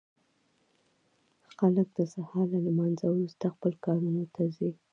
خلک د سهار له لمانځه وروسته خپلو کارونو ته ځي.